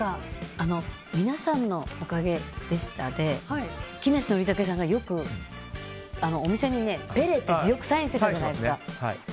「みなさんのおかげでした」で木梨憲武さんが、よくお店にペレってサインしてたじゃないですか。